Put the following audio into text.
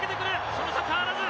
その差変わらず。